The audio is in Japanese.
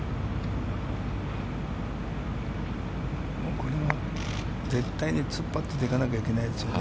これは絶対に２パットで行かなきゃいけないですよね。